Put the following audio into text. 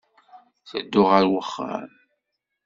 Tedduɣ ɣer uxxam.